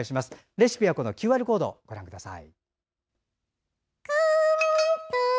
レシピはＱＲコードからご覧ください。